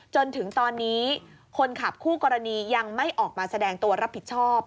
จนถึงตอนนี้คนขับคู่กรณียังไม่ออกมาแสดงตัวรับผิดชอบ